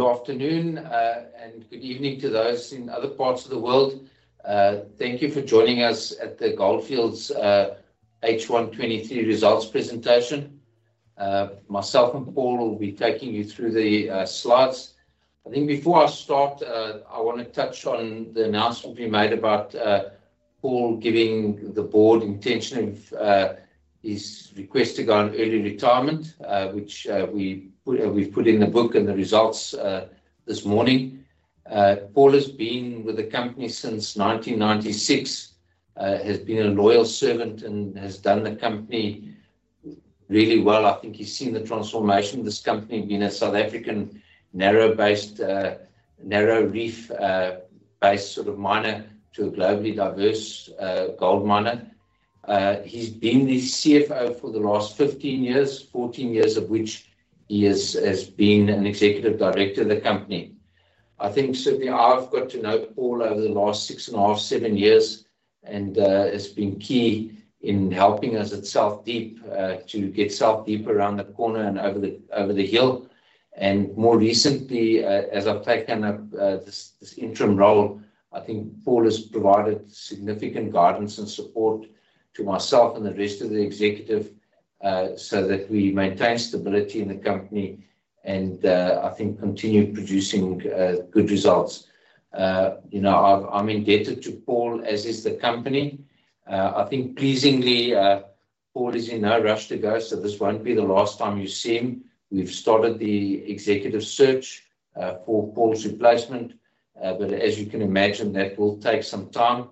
Good afternoon, good evening to those in other parts of the world. Thank you for joining us at the Gold Fields H1 2023 results presentation. Myself and Paul will be taking you through the slides. I think before I start, I wanna touch on the announcement we made about Paul giving the board intention of his request to go on early retirement, which we've put in the book and the results this morning. Paul has been with the company since 1996, has been a loyal servant and has done the company really well. I think he's seen the transformation of this company, being a South African narrow-based, narrow reef, based sort of miner to a globally diverse, gold miner. He's been the CFO for the last 15 years, 14 years of which he has, has been an executive director of the company. I think certainly I've got to know Paul over the last 6.5, 7 years, he's been key in helping us at South Deep, to get South Deep around the corner and over the, over the hill. More recently, as I've taken up this, this interim role, I think Paul has provided significant guidance and support to myself and the rest of the executive, so that we maintain stability in the company and I think continue producing good results. You know, I've-- I'm indebted to Paul, as is the company. I think pleasingly, Paul is in no rush to go, so this won't be the last time you see him. We've started the executive search for Paul's replacement, but as you can imagine, that will take some time,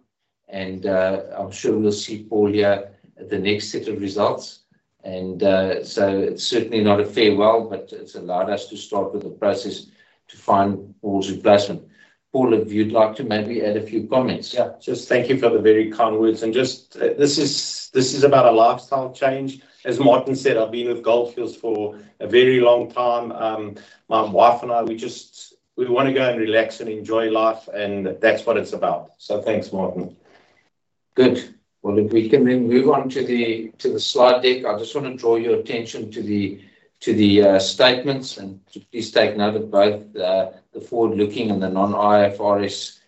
and I'm sure we'll see Paul here at the next set of results. So it's certainly not a farewell, but it's allowed us to start with the process to find Paul's replacement. Paul, if you'd like to maybe add a few comments. Yeah. Just thank you for the very kind words. Just, this is, this is about a lifestyle change. As Martin said, I've been with Gold Fields for a very long time. My wife and I, we just, we wanna go and relax and enjoy life, and that's what it's about. Thanks, Martin. Good. Well, if we can then move on to the, to the slide deck. I just wanna draw your attention to the, to the statements, and to please take note of both the, the forward-looking and the non-IFRS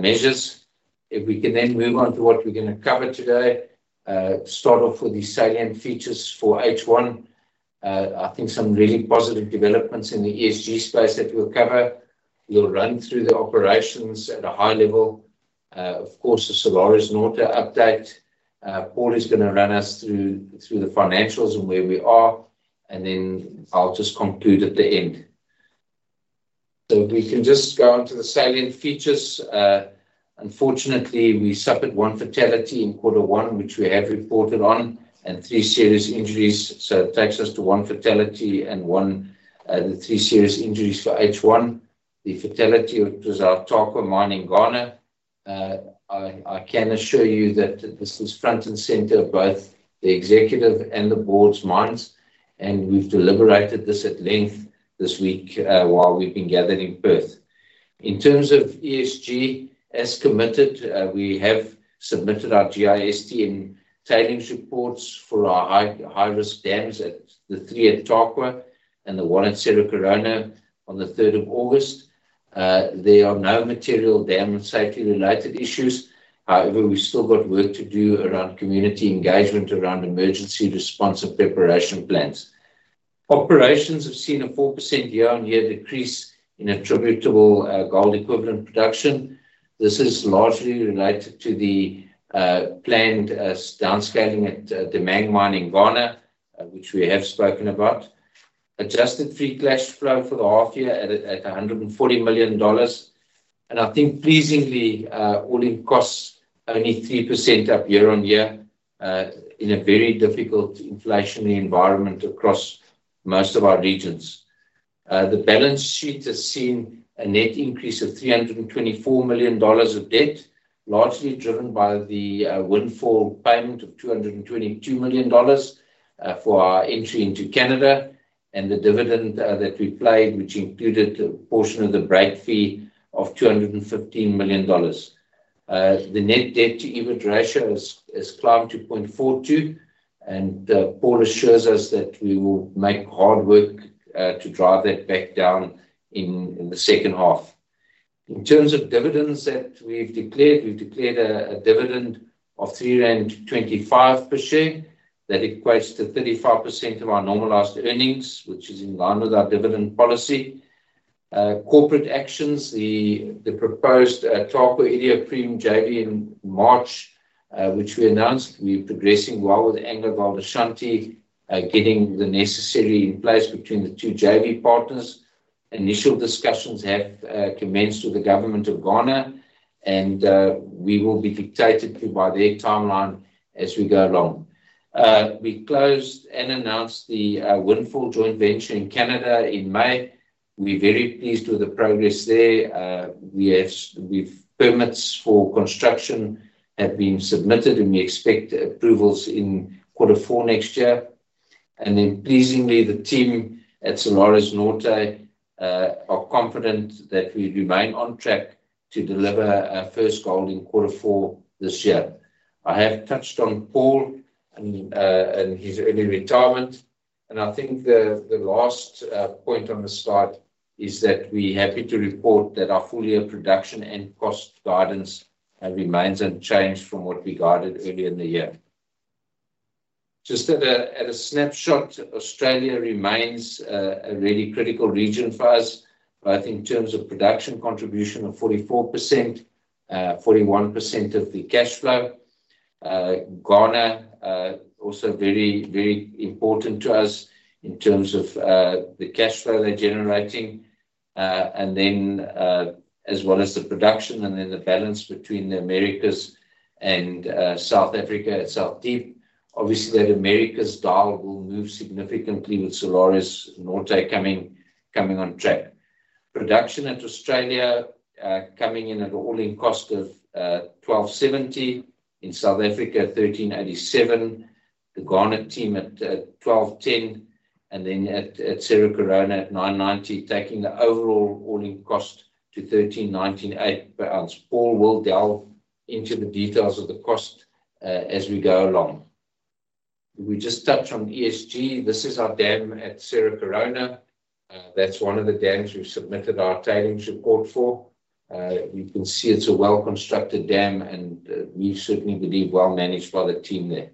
measures. If we can then move on to what we're gonna cover today, start off with the salient features for H1. I think some really positive developments in the ESG space that we'll cover. We'll run through the operations at a high level. Of course, the Salares Norte update. Paul is gonna run us through, through the financials and where we are, and then I'll just conclude at the end. If we can just go on to the salient features. Unfortunately, we suffered one fatality in quarter one, which we have reported on, and three serious injuries. It takes us to one fatality and three serious injuries for H1. The fatality, it was our Tarkwa mine in Ghana. I, I can assure you that this is front and center of both the executive and the board's minds, and we've deliberated this at length this week, while we've been gathering in Perth. In terms of ESG, as committed, we have submitted our GISTM and tailings reports for our high, high-risk dams at the three at Tarkwa and the one at Cerro Corona on the 3rd of August. There are no material dam safety-related issues. We've still got work to do around community engagement, around emergency response and preparation plans. Operations have seen a 4% year-on-year decrease in attributable gold equivalent production. This is largely related to the planned downscaling at the Damang mine in Ghana, which we have spoken about. Adjusted free cash flow for the half year at, at $140 million. I think pleasingly, all-in costs only 3% up year on year, in a very difficult inflationary environment across most of our regions. The balance sheet has seen a net increase of $324 million of debt, largely driven by the Windfall payment of $222 million, for our entry into Canada, and the dividend that we paid, which included a portion of the break fee of $215 million. The net debt to EBITDA ratio has climbed to 0.42, and Paul assures us that we will make hard work to drive that back down in the second half. In terms of dividends that we've declared, we've declared a dividend of 3.25 per share. That equates to 35% of our normalized earnings, which is in line with our dividend policy. Corporate actions, the proposed Tarkwa/Iduapriem JV in March, which we announced, we're progressing well with AngloGold Ashanti, getting the necessary in place between the two JV partners. Initial discussions have commenced with the government of Ghana, and we will be dictated to by their timeline as we go along. We closed and announced the Windfall joint venture in Canada in May. We're very pleased with the progress there. Permits for construction have been submitted, and we expect approvals in quarter four next year. Pleasingly, the team at Salares Norte are confident that we remain on track to deliver our first gold in quarter four this year. I have touched on Paul and his early retirement. I think the last point on the slide is that we're happy to report that our full year production and cost guidance remains unchanged from what we guided earlier in the year. Just at a snapshot, Australia remains a really critical region for us, both in terms of production contribution of 44%, 41% of the cash flow. Ghana also very, very important to us in terms of the cash flow they're generating, as well as the production and then the balance between the Americas and South Africa at South Deep. Obviously, that Americas dial will move significantly with Salares Norte coming, coming on track. Production at Australia coming in at an all-in cost of $1,270. In South Africa, $1,387. The Ghana team at $1,210, and then at Cerro Corona at $990, taking the overall all-in cost to $1,398 per ounce. Paul will delve into the details of the cost as we go along. We just touched on ESG. This is our dam at Cerro Corona. That's one of the dams we've submitted our tailings report for. You can see it's a well-constructed dam, and we certainly believe well managed by the team there.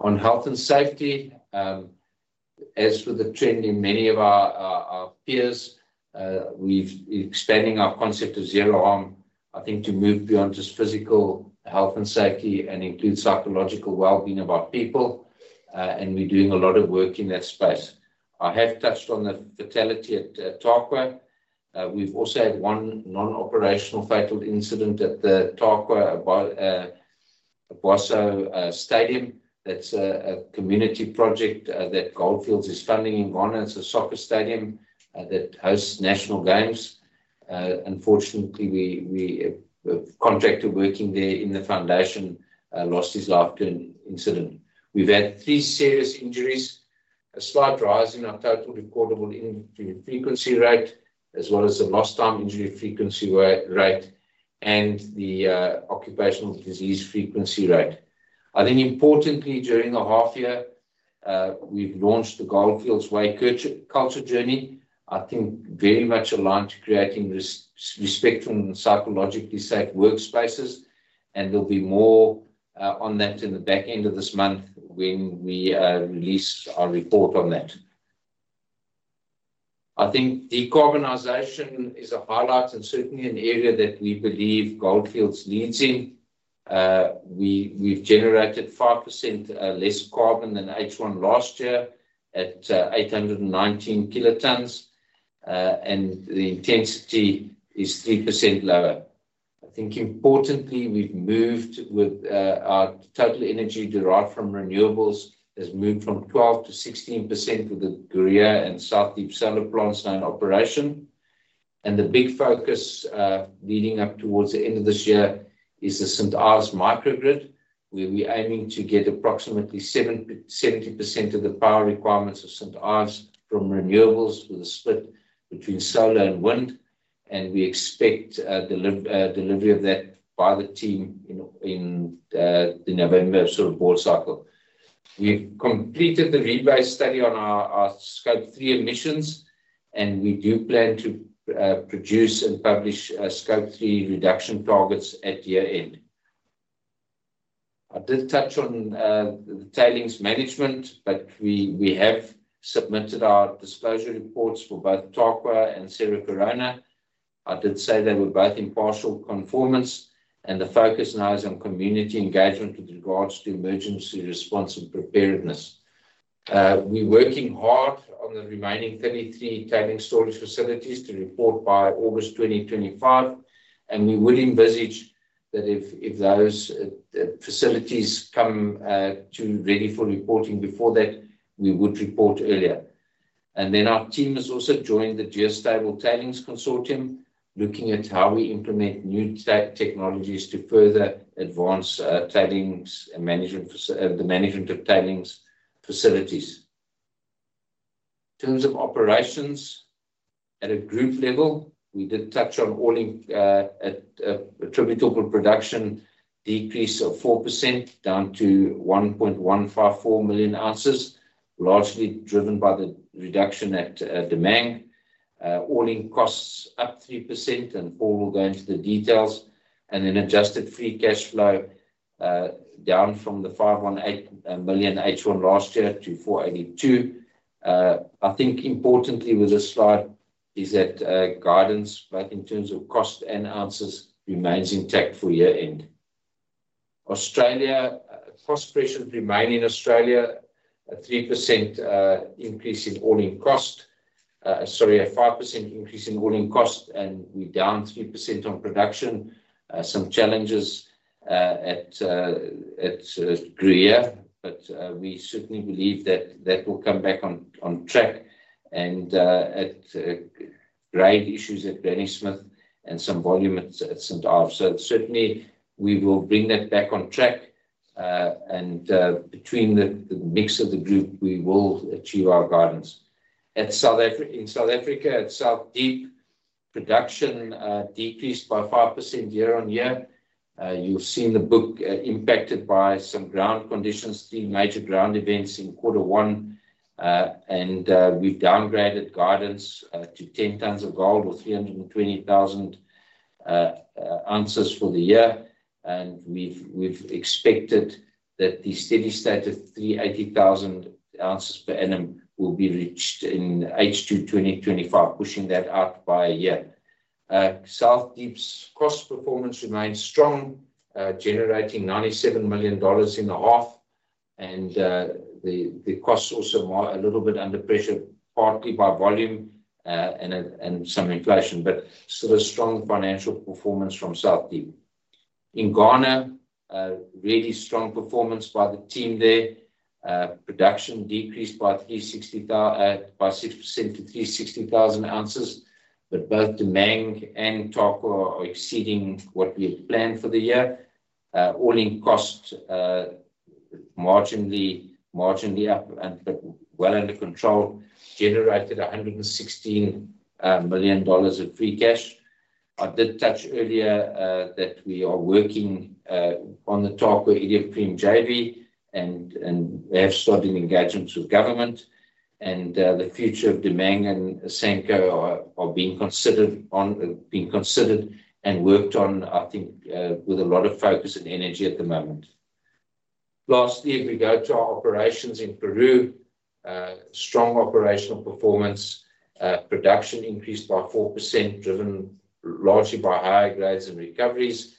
On health and safety, as with the trend in many of our, our, our peers, we're expanding our concept of zero harm, I think, to move beyond just physical health and safety and include psychological well-being of our people. We're doing a lot of work in that space. I have touched on the fatality at Tarkwa. We've also had one non-operational fatal incident at the Tarkwa & Aboso Stadium. That's a community project that Gold Fields is funding in Ghana. It's a soccer stadium that hosts national games. Unfortunately, a contractor working there in the foundation lost his life to an incident. We've had three serious injuries, a slight rise in our total recordable injury frequency rate, as well as the lost time injury frequency rate, and the occupational disease frequency rate. I think importantly, during the half year, we've launched the Gold Fields Way culture journey, I think very much aligned to creating respectful and psychologically safe workspaces, and there'll be more on that in the back end of this month when we release our report on that. I think decarbonization is a highlight and certainly an area that we believe Gold Fields leads in. We've generated 5% less carbon than H1 last year at 819 kt, and the intensity is 3% lower. I think importantly, we've moved with our total energy derived from renewables, has moved from 12% to 16% with the Gruyere and South Deep solar plants now in operation. The big focus leading up towards the end of this year is the St Ives microgrid, where we're aiming to get approximately 70% of the power requirements of St Ives from renewables, with a split between solar and wind. We expect delivery of that by the team in the November sort of board cycle. We've completed the rebase study on our Scope 3 emissions, and we do plan to produce and publish Scope 3 reduction targets at year end. I did touch on the tailings management, but we have submitted our disclosure reports for both Tarkwa and Cerro Corona. I did say they were both in partial conformance, and the focus now is on community engagement with regards to emergency response and preparedness. We're working hard on the remaining 33 tailings storage facilities to report by August 2025, and we would envisage that if, if those, facilities come, to ready for reporting before that, we would report earlier. Then our team has also joined the GeoStable Tailings Consortium, looking at how we implement new technologies to further advance, tailings and the management of tailings facilities. In terms of operations, at a group level, we did touch on all in, at, attributable production decrease of 4%, down to 1.154 million oz, largely driven by the reduction at, Damang. All-in costs up 3%, and Paul will go into the details. Adjusted free cash flow, down from the $518 million H1 last year to $482. I think importantly with this slide is that guidance, both in terms of cost and ounces, remains intact for year end. Australia, cost pressures remain in Australia, a 3% increase in all-in cost. Sorry, a 5% increase in all-in cost, and we're down 3% on production. Some challenges at Gruyere, we certainly believe that that will come back on track. At grade issues at Granny Smith and some volume at St Ives. Certainly, we will bring that back on track, and between the mix of the group, we will achieve our guidance. In South Africa, at South Deep, production decreased by 5% year-on-year. You've seen the book impacted by some ground conditions, three major ground events in Q1. We've downgraded guidance to 10 tonnes of gold or 320,000 oz for the year. We've expected that the steady state of 380,000 oz per annum will be reached in H2 2025, pushing that out by a year. South Deep's cost performance remains strong, generating $97 million in the half. The costs also more a little bit under pressure, partly by volume, and some inflation, but still a strong financial performance from South Deep. In Ghana, a really strong performance by the team there. Production decreased by 6% to 360,000 oz, but both Damang and Tarkwa are exceeding what we had planned for the year. All-in costs, marginally, marginally up, but well under control, generated $116 million of free cash. I did touch earlier that we are working on the Tarkwa-Iduapriem JV, and we have started engagements with government. The future of Damang and Asanko are being considered and worked on, I think, with a lot of focus and energy at the moment. Lastly, if we go to our operations in Peru, strong operational performance. Production increased by 4%, driven largely by higher grades and recoveries.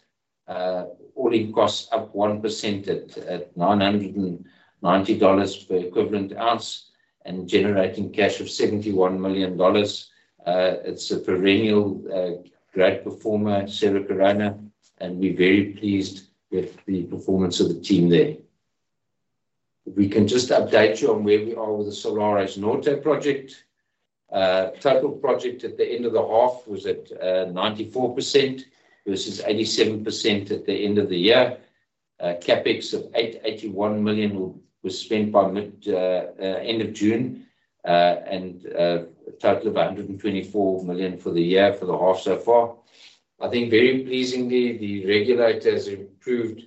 All-in costs up 1% at $990 per equivalent ounce and generating cash of $71 million. It's a perennial great performer, Cerro Corona, and we're very pleased with the performance of the team there. We can just update you on where we are with the Salares Norte project. Total project at the end of the half was at 94% versus 87% at the end of the year. CapEx of $81 million was spent by mid-end of June, and a total of $124 million for the year for the half so far. I think very pleasingly, the regulator has approved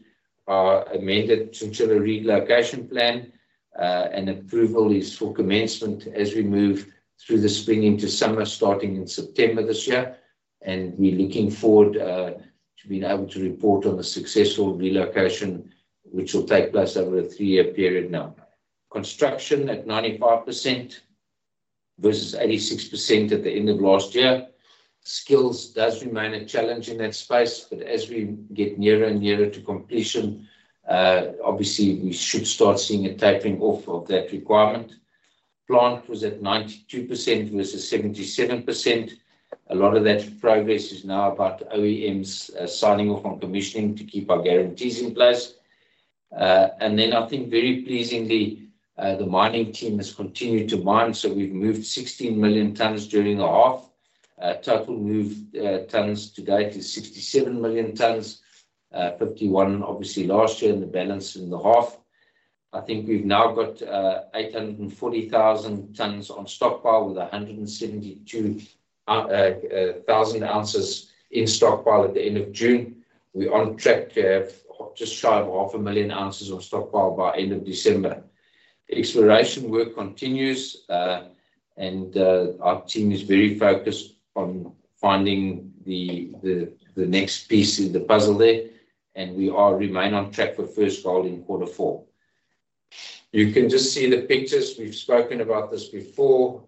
our amended chinchilla relocation plan. Approval is for commencement as we move through the spring into summer, starting in September this year. We're looking forward to being able to report on the successful relocation, which will take place over a 3-year period now. Construction at 95% versus 86% at the end of last year. Skills does remain a challenge in that space, but as we get nearer and nearer to completion, obviously, we should start seeing a tapering off of that requirement. Plant was at 92% versus 77%. A lot of that progress is now about OEMs signing off on commissioning to keep our guarantees in place. Then I think very pleasingly, the mining team has continued to mine, so we've moved 16 million tonnes during the half. Total moved tonnes to date is 67 million tonnes. 51 obviously last year and the balance in the half. I think we've now got 840,000 tonnes on stockpile, with 172,000 oz in stockpile at the end of June. We're on track to have just shy of 500,000 oz on stockpile by end of December. The exploration work continues, and our team is very focused on finding the, the, the next piece of the puzzle there, and we remain on track for first gold in quarter four. You can just see the pictures. We've spoken about this before.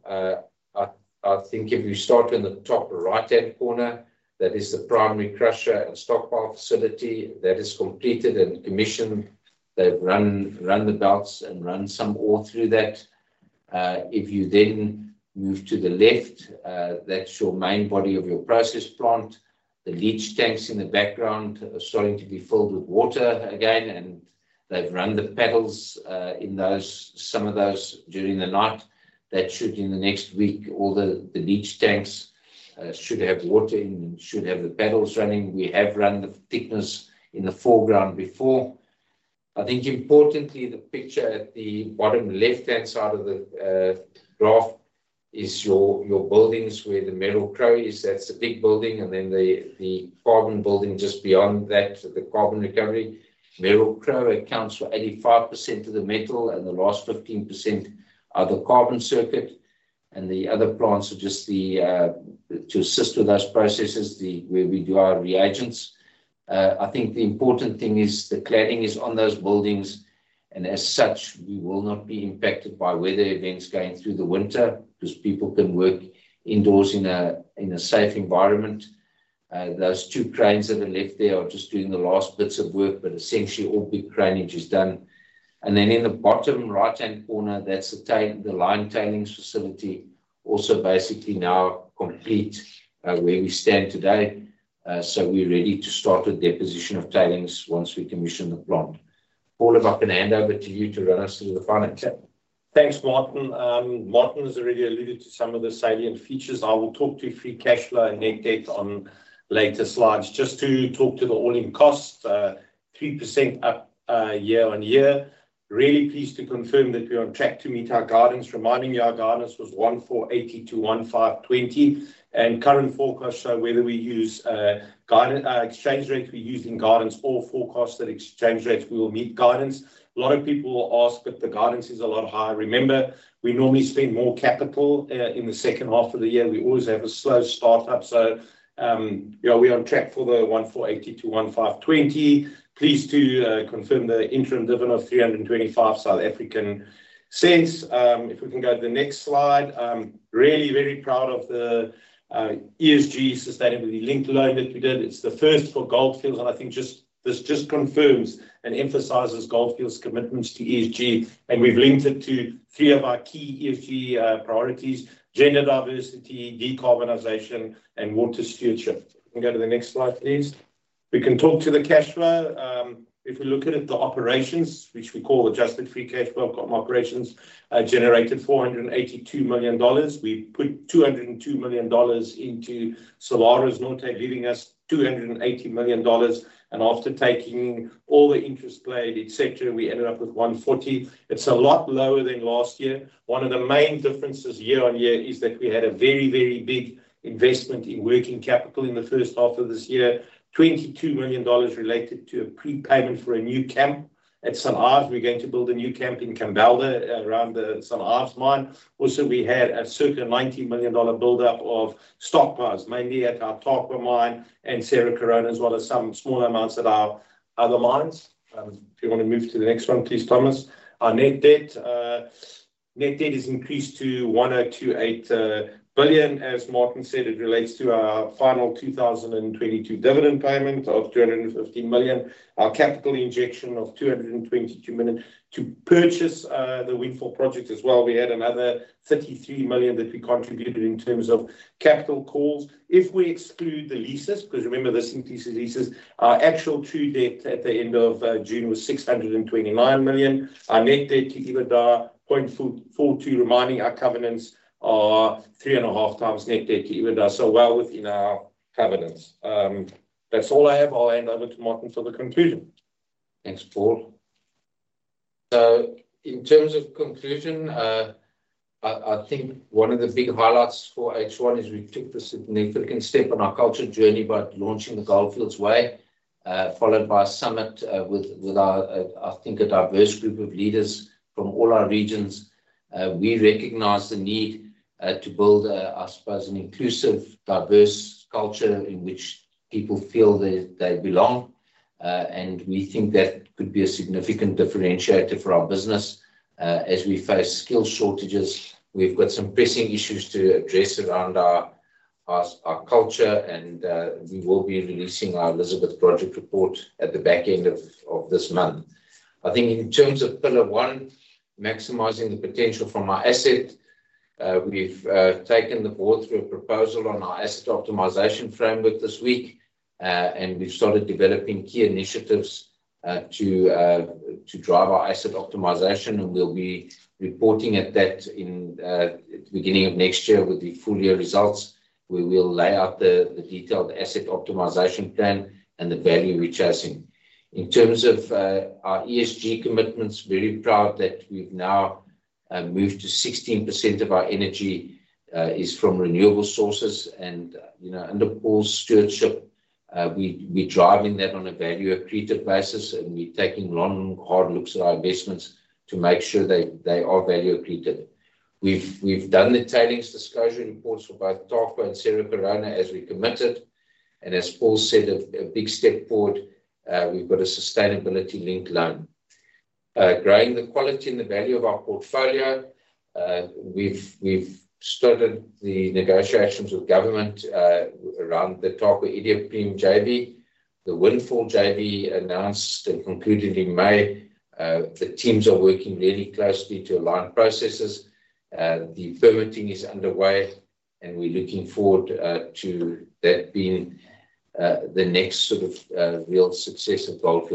I, I think if you start in the top right-hand corner, that is the primary crusher and stockpile facility that is completed and commissioned. They've run the belts and run some ore through that. If you then move to the left, that's your main body of your process plant. The leach tanks in the background are starting to be filled with water again, and they've run the paddles in some of those during the night. That should, in the next week, all the leach tanks should have water in and should have the paddles running. We have run the thickness in the foreground before. I think importantly, the picture at the bottom left-hand side of the graph is your buildings where the Merrill-Crowe is. That's the big building, and then the carbon building just beyond that, the carbon recovery. Merrill-Crowe accounts for 85% of the metal, and the last 15% are the carbon circuit, and the other plants are just to assist with those processes, where we do our reagents. I think the important thing is the cladding is on those buildings, and as such, we will not be impacted by weather events going through the winter, because people can work indoors in a, in a safe environment. Those two cranes that are left there are just doing the last bits of work, but essentially, all big craneage is done. Then in the bottom right-hand corner, that's the lined tailings facility, also basically now complete, where we stand today. We're ready to start the deposition of tailings once we commission the plant. Paul, if I can hand over to you to run us through the finances. Thanks, Martin. Martin has already alluded to some of the salient features. I will talk to free cash flow and net debt on later slides. Just to talk to the all-in costs, 3% up year-over-year. Really pleased to confirm that we're on track to meet our guidance, reminding you our guidance was $1,480-$1,520, and current forecasts show whether we use exchange rates we use in guidance or forecasted exchange rates, we will meet guidance. A lot of people will ask, but the guidance is a lot higher. Remember, we normally spend more capital in the second half of the year. We always have a slow start-up, so, yeah, we're on track for the $1,480-$1,520. Pleased to confirm the interim dividend of 3.25. If we can go to the next slide. Really very proud of the ESG sustainability-linked loan that we did. It's the first for Gold Fields. I think this just confirms and emphasizes Gold Fields' commitments to ESG, and we've linked it to three of our key ESG priorities: gender diversity, decarbonization, and water stewardship. We can go to the next slide, please. We can talk to the cash flow. If we look at it, the operations, which we call adjusted free cash flow from operations, generated $482 million. We put $202 million into Salares Norte, leaving us $280 million. After taking all the interest paid, et cetera, we ended up with $140 million. It's a lot lower than last year. One of the main differences year-on-year is that we had a very, very big investment in working capital in the first half of this year. $22 million related to a prepayment for a new camp at Salares. We're going to build a new camp in Kambalda around the Salares mine. Also, we had a circa $90 million build-up of stockpiles, mainly at our Tarkwa mine and Cerro Corona, as well as some smaller amounts at our other mines. If you wanna move to the next one, please, Thomas. Our net debt, net debt has increased to $1,028 million. As Martin said, it relates to our final 2022 dividend payment of $215 million, our capital injection of $222 million to purchase the Windfall project as well. We had another $33 million that we contributed in terms of capital calls. If we exclude the leases, 'cause remember, this increases leases, our actual true debt at the end of June was $629 million. Our net debt to EBITDA, 0.42, reminding our covenants are 3.5x net debt to EBITDA, so well within our covenants. That's all I have. I'll hand over to Martin for the conclusion. Thanks, Paul. In terms of conclusion, I, I think one of the big highlights for H1 is we took the significant step on our culture journey by launching The Gold Fields Way, followed by a summit with, with our, I think, a diverse group of leaders from all our regions. We recognize the need to build a, I suppose, an inclusive, diverse culture in which people feel they, they belong, and we think that could be a significant differentiator for our business. As we face skill shortages, we've got some pressing issues to address around our, our, our culture and we will be releasing our Elizabeth project report at the back end of, of this month. I think in terms of pillar one, maximizing the potential from our asset, we've taken the board through a proposal on our asset optimization framework this week, and we've started developing key initiatives to drive our asset optimization, and we'll be reporting at that in the beginning of next year with the full-year results. We will lay out the detailed asset optimization plan and the value we're chasing. In terms of our ESG commitments, very proud that we've now moved to 16% of our energy is from renewable sources, and, you know, under Paul's stewardship, we're driving that on a value-accretive basis, and we're taking long, hard looks at our investments to make sure they are value accretive. We've, we've done the tailings disclosure reports for both Tarkwa and Cerro Corona, as we committed, and as Paul said, a, a big step forward, we've got a sustainability-linked loan. Growing the quality and the value of our portfolio, we've, we've started the negotiations with government, around the Tarkwa-Iduapriem JV. The Windfall JV announced and concluded in May. The teams are working really closely to align processes, the permitting is underway, and we're looking forward, to that being, the next sort of, real success at Gold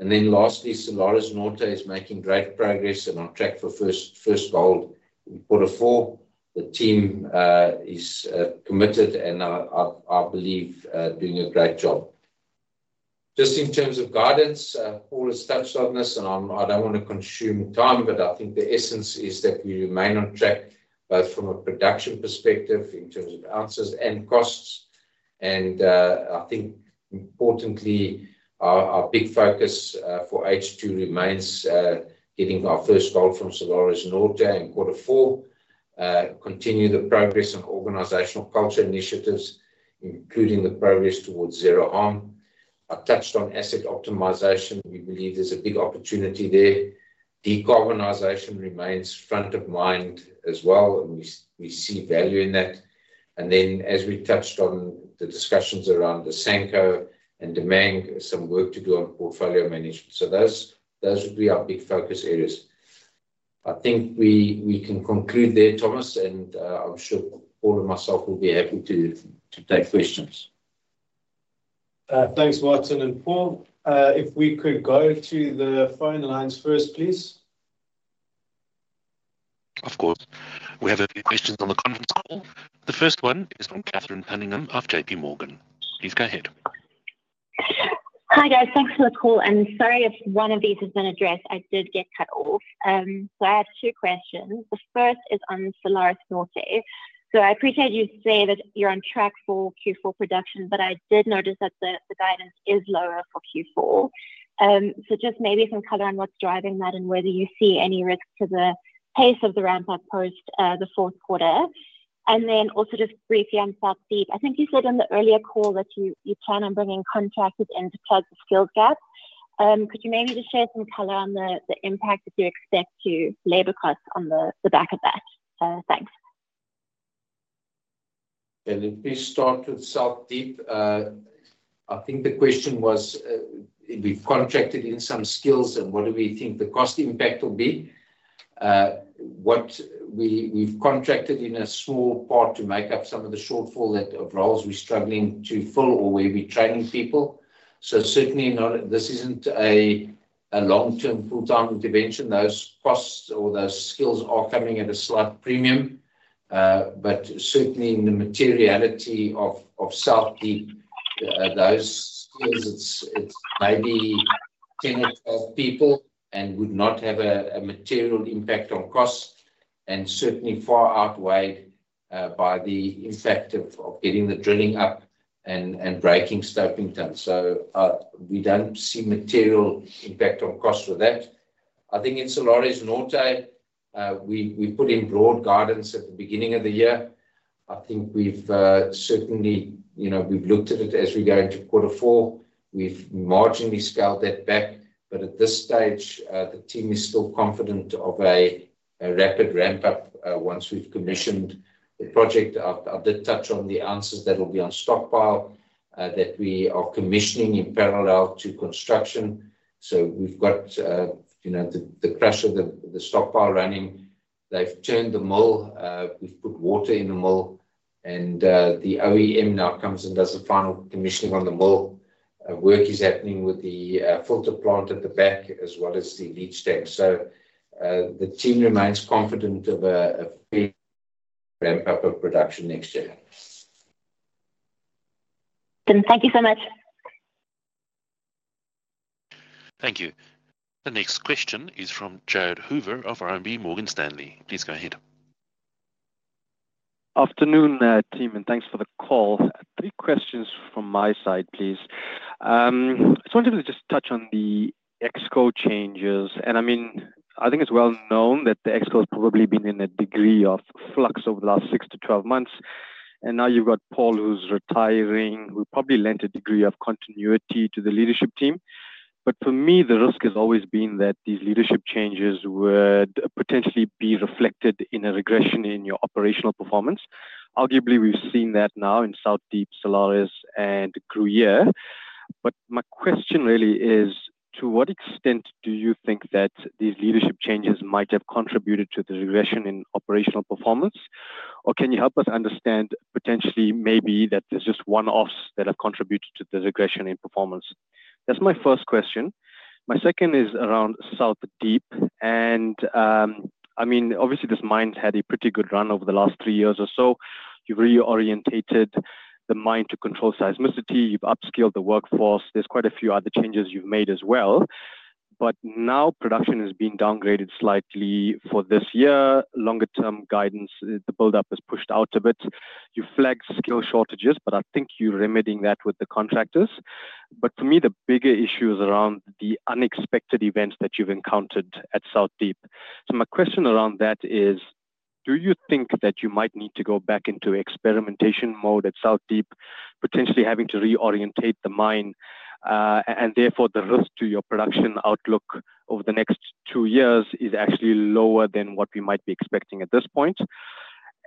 Fields. Lastly, Salares Norte is making great progress and on track for first, first gold in quarter four. The team, is, committed, and I, I, I believe, doing a great job. Just in terms of guidance, Paul has touched on this, and I don't wanna consume time, but I think the essence is that we remain on track, both from a production perspective in terms of ounces and costs. I think importantly, our big focus for H2 remains getting our first gold from Salares Norte in quarter four. Continue the progress on organizational culture initiatives, including the progress towards zero harm. I touched on asset optimization. We believe there's a big opportunity there. Decarbonization remains front of mind as well, and we see value in that. As we touched on the discussions around Asanko and Damang, some work to do on portfolio management. Those would be our big focus areas. I think we, we can conclude there, Thomas, and, I'm sure Paul and myself will be happy to take questions. Thanks, Martin and Paul. If we could go to the phone lines first, please. Of course. We have a few questions on the conference call. The first one is from Catherine Cunningham of JPMorgan. Please go ahead. Hi, guys. Thanks for the call, sorry if one of these has been addressed, I did get cut off. I have two questions. The first is on Salares Norte. I appreciate you say that you're on track for Q4 production, but I did notice that the, the guidance is lower for Q4. Just maybe some color on what's driving that and whether you see any risk to the pace of the ramp-up post the fourth quarter. Then also just briefly on South Deep, I think you said on the earlier call that you, you plan on bringing contractors in to plug the skills gap. Could you maybe just share some color on the, the impact that you expect to labor costs on the, the back of that? Thanks. Let me start with South Deep. I think the question was, we've contracted in some skills, and what do we think the cost impact will be? What we've contracted in a small part to make up some of the shortfall that of roles we're struggling to fill or where we're training people. Certainly not, this isn't a long-term, full-time intervention. Those costs or those skills are coming at a slight premium. Certainly in the materiality of South Deep, those skills, it's maybe 10 or 12 people and would not have a material impact on cost, and certainly far outweighed by the impact of getting the drilling up and breaking stoping done. We don't see material impact on cost with that. I think in Salares Norte, we, we put in broad guidance at the beginning of the year. I think we've, certainly, you know, we've looked at it as we go into quarter four. We've marginally scaled that back. At this stage, the team is still confident of a rapid ramp-up once we've commissioned the project. I, I did touch on the answers that will be on stockpile that we are commissioning in parallel to construction. We've got, you know, the crush of the stockpile running. They've turned the mill, we've put water in the mill, and the OEM now comes and does the final commissioning on the mill. Work is happening with the filter plant at the back, as well as the leach tank. The team remains confident of a, a big ramp-up of production next year. Thank you so much. Thank you. The next question is from Jared Hoover of RMB Morgan Stanley. Please go ahead. Afternoon, team, and thanks for the call. Three questions from my side, please. I just wanted to just touch on the Exco changes, and I mean, I think it's well known that the Exco has probably been in a degree of flux over the last 6 to 12 months, and now you've got Paul, who's retiring, will probably lend a degree of continuity to the leadership team. For me, the risk has always been that these leadership changes would potentially be reflected in a regression in your operational performance. Arguably, we've seen that now in South Deep, Salares and Gruyere. My question really is, to what extent do you think that these leadership changes might have contributed to the regression in operational performance? Can you help us understand potentially, maybe that there's just one-offs that have contributed to the regression in performance? That's my first question. My second is around South Deep, I mean, obviously, this mine had a pretty good run over the last 3 years or so. You've reorientated the mine to control seismicity, you've upskilled the workforce. There's quite a few other changes you've made as well, now production has been downgraded slightly for this year. Longer-term guidance, the buildup is pushed out a bit. You flag skill shortages, I think you're remedying that with the contractors. For me, the bigger issue is around the unexpected events that you've encountered at South Deep. My question around that is: do you think that you might need to go back into experimentation mode at South Deep, potentially having to reorientate the mine, and therefore, the risk to your production outlook over the next 2 years is actually lower than what we might be expecting at this point?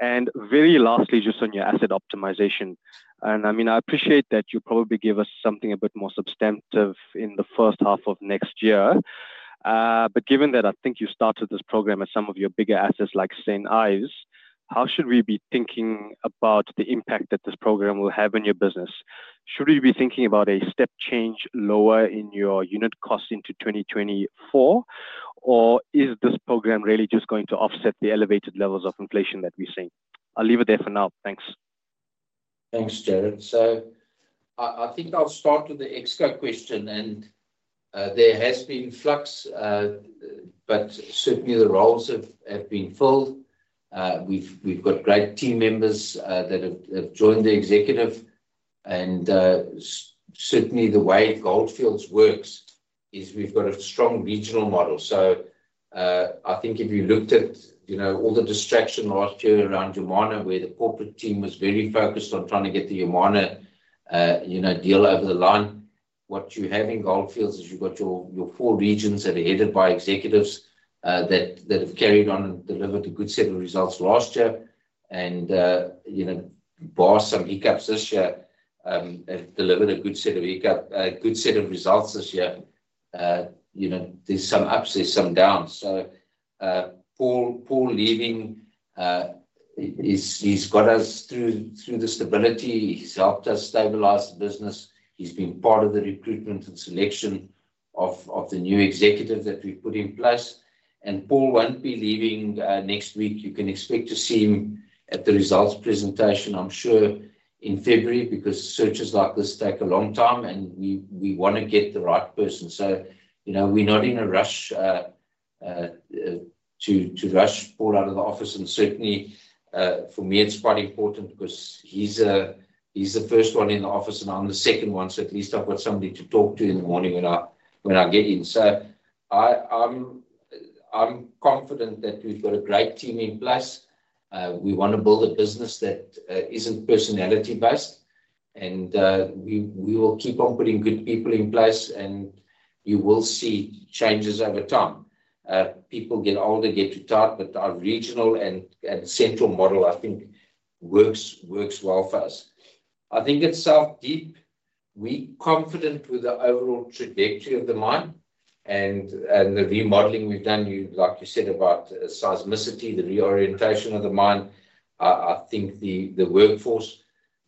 Very lastly, just on your asset optimization, I mean, I appreciate that you'll probably give us something a bit more substantive in the first half of next year. Given that I think you started this program at some of your bigger assets, like St Ives, how should we be thinking about the impact that this program will have on your business? Should we be thinking about a step change lower in your unit cost into 2024, or is this program really just going to offset the elevated levels of inflation that we're seeing? I'll leave it there for now. Thanks. Thanks, Jared. I, I think I'll start with the Exco question, and, there has been flux, but certainly, the roles have, have been filled. We've, we've got great team members, that have, have joined the executive and, certainly the way Gold Fields works is we've got a strong regional model. I think if you looked at, you know, all the distraction last year around Yamana, where the corporate team was very focused on trying to get the Yamana, you know, deal over the line. What you have in Gold Fields is you've got your, your four regions that are headed by executives, that, that have carried on and delivered a good set of results last year. You know, bar some hiccups this year, have delivered a good set of hiccup, a good set of results this year. You know, there's some ups, there's some downs. Paul leaving, he's, he's got us through, through the stability. He's helped us stabilize the business. He's been part of the recruitment and selection of, of the new executive that we've put in place. Paul won't be leaving next week. You can expect to see him at the results presentation, I'm sure in February, because searches like this take a long time, and we, we wanna get the right person. You know, we're not in a rush to rush Paul out of the office. Certainly, for me, it's quite important because he's, he's the first one in the office, and I'm the second one, so at least I've got somebody to talk to in the morning when I, when I get in. I, I'm, I'm confident that we've got a great team in place. We wanna build a business that isn't personality-based, and we, we will keep on putting good people in place, and you will see changes over time. People get older, get retired, but our regional and, and central model, I think, works, works well for us. I think at South Deep, we're confident with the overall trajectory of the mine and, and the remodeling we've done. Like you said, about seismicity, the reorientation of the mine. I think the, the workforce,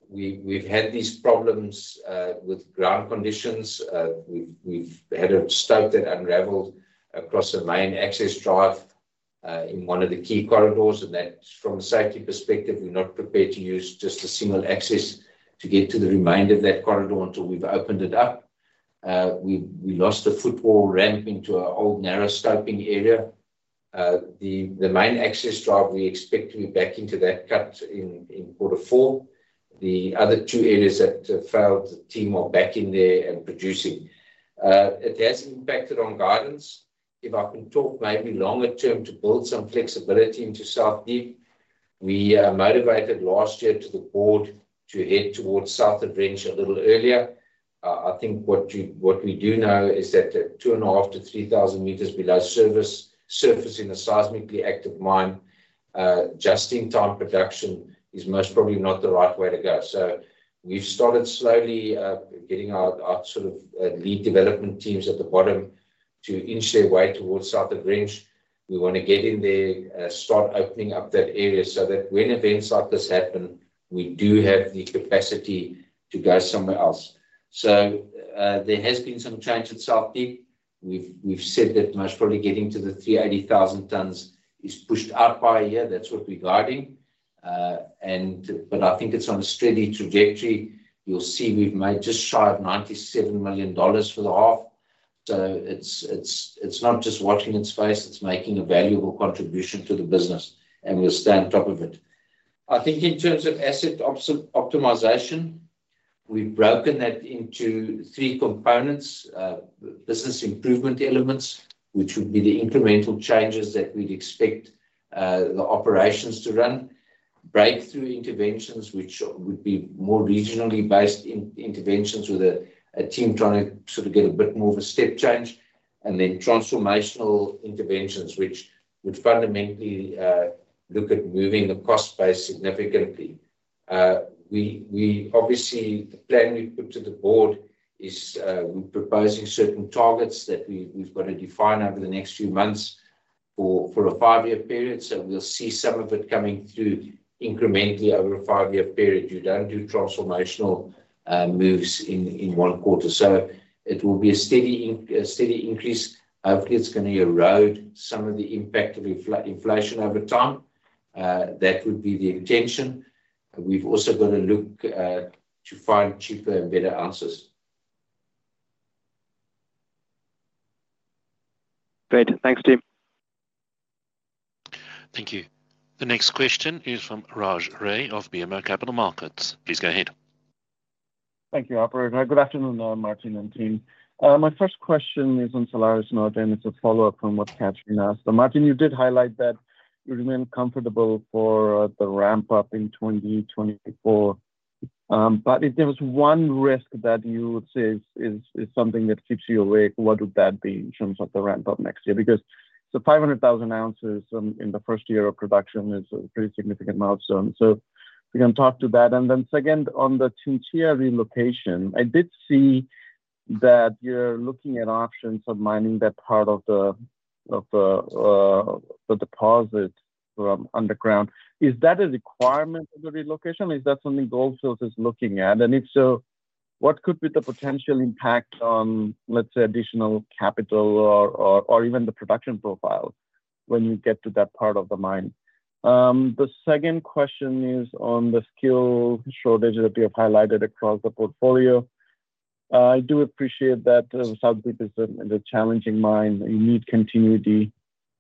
we, we've had these problems with ground conditions. We've, we've had a stope that unraveled across a main access drive, in one of the key corridors, and that, from a safety perspective, we're not prepared to use just a single access to get to the remainder of that corridor until we've opened it up. We, we lost a footwall ramp into an old, narrow stoping area. The, the main access drive, we expect to be back into that cut in, in Q4. The other two areas that failed, the team are back in there and producing. It has impacted on guidance. If I can talk maybe longer term, to build some flexibility into South Deep, we motivated last year to the board to head towards South of Wrench a little earlier. I think what we do know is that at 2.5 to 3,000 m below surface in a seismically active mine, just-in-time production is most probably not the right way to go. We've started slowly getting our, our sort of, lead development teams at the bottom to inch their way towards South of Wrench. We wanna get in there, start opening up that area so that when events like this happen, we do have the capacity to go somewhere else. There has been some change at South Deep. We've, we've said that most probably getting to the 380,000 tonnes is pushed out by a year. That's what we're guiding. I think it's on a steady trajectory. You'll see we've made just shy of $97 million for the half. It's, it's, it's not just watching its face, it's making a valuable contribution to the business, and we'll stay on top of it. I think in terms of asset optimization, we've broken that into three components. Business improvement elements, which would be the incremental changes that we'd expect, the operations to run. Breakthrough interventions, which would be more regionally based interventions with a, a team trying to sort of get a bit more of a step change. And then transformational interventions, which would fundamentally look at moving the cost base significantly. Obviously, the plan we've put to the board is, we're proposing certain targets that we've, we've got to define over the next few months for, for a 5-year period. We'll see some of it coming through incrementally over a 5-year period. You don't do transformational moves in, in one quarter, so it will be a steady increase. Hopefully, it's gonna erode some of the impact of inflation over time. That would be the intention. We've also got to look to find cheaper and better answers. Great. Thanks, team. Thank you. The next question is from Raj Ray of BMO Capital Markets. Please go ahead. Thank you, operator. Good afternoon, Martin and team. My first question is on Salares Norte, it's a follow-up from what Catherine asked. Martin, you did highlight that you remain comfortable for the ramp-up in 2024. If there was one risk that you would say is something that keeps you awake, what would that be in terms of the ramp-up next year? Because the 500,000 oz in the first year of production is a pretty significant milestone, if you can talk to that. Second, on the chinchilla relocation, I did see that you're looking at options of mining that part of the deposit from underground. Is that a requirement of the relocation, or is that something Gold Fields is looking at? If so, what could be the potential impact on, let's say, additional capital or, or, or even the production profile when you get to that part of the mine? The second question is on the skill shortage that you have highlighted across the portfolio. I do appreciate that South Deep is a challenging mine. You need continuity,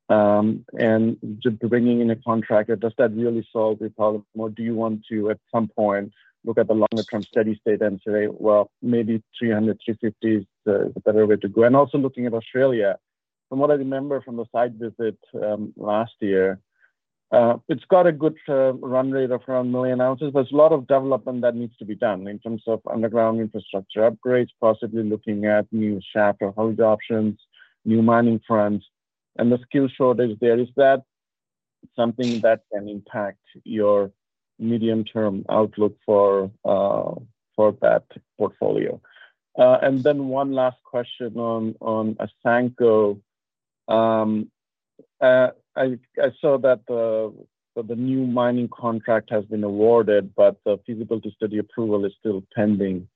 and just bringing in a contractor, does that really solve the problem, or do you want to, at some point, look at the longer-term steady state and say, "Well, maybe 300, 350 is the better way to go?" Also looking at Australia, from what I remember from the site visit, last year, it's got a good run rate of around 1 million oz, but there's a lot of development that needs to be done in terms of underground infrastructure upgrades, possibly looking at new shaft or hole options, new mining fronts. And the skill shortage there, is that something that can impact your medium-term outlook for, for that portfolio? One last question on Asanko. I saw that the new mining contract has been awarded, but the feasibility study approval is still pending.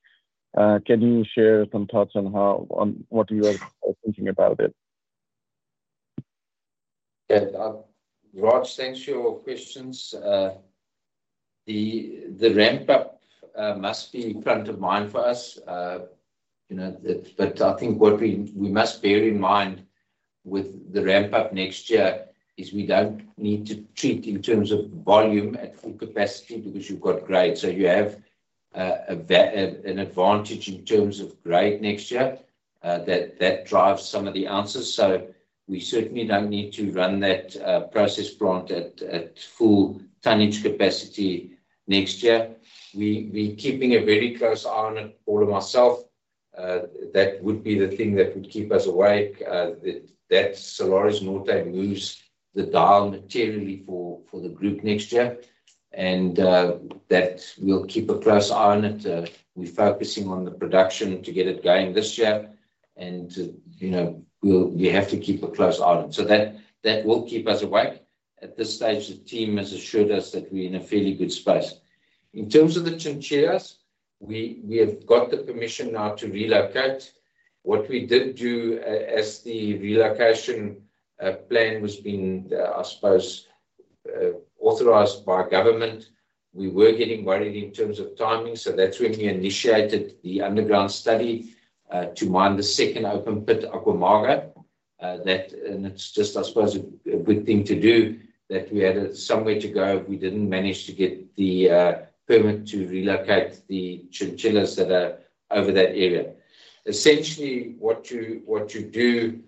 Can you share some thoughts on what you are thinking about it? Yeah. Raj, thanks for your questions. The, the ramp-up must be front of mind for us. You know, but I think what we, we must bear in mind with the ramp-up next year is we don't need to treat in terms of volume at full capacity because you've got grade. You have a an advantage in terms of grade next year that, that drives some of the answers. We certainly don't need to run that process plant at, at full tonnage capacity next year. We, we keeping a very close eye on it, Paul and myself. That would be the thing that would keep us awake, that, that Salares Norte moves the dial materially for, for the group next year. That we'll keep a close eye on it. We're focusing on the production to get it going this year and to, you know, we have to keep a close eye on it. That, that will keep us awake. At this stage, the team has assured us that we're in a fairly good space. In terms of the chinchillas, we have got the permission now to relocate. What we did do, as the relocation plan was being, I suppose, authorized by government, we were getting worried in terms of timing. That's when we initiated the underground study to mine the second open pit, Agua Amarga. That and it's just, I suppose, a good thing to do, that we had somewhere to go if we didn't manage to get the permit to relocate the chinchillas that are over that area. Essentially, what you, what you do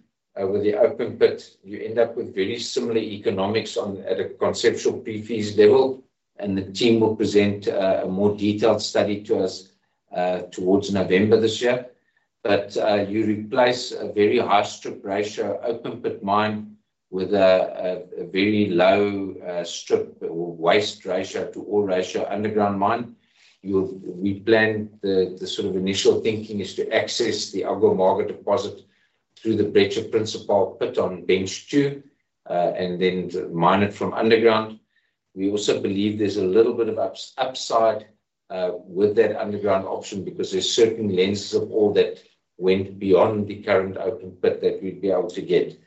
with the open pit, you end up with very similar economics on at a conceptual pre-feas level, and the team will present a more detailed study to us towards November this year. You replace a very high strip ratio open-pit mine with a very low strip or waste ratio to ore ratio underground mine. We plan. The sort of initial thinking is to access the Agua Amarga deposit through the Brecha Principal pit on bench two, and then mine it from underground. We also believe there's a little bit of upside with that underground option because there's certain lenses of ore that went beyond the current open pit that we'd be able to get.